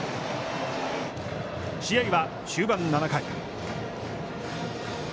試合は、終盤７回。